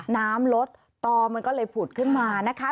น้ำลดต่อมันก็เลยผุดขึ้นมานะคะ